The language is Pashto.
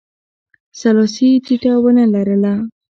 سلاسي ټیټه ونه لرله.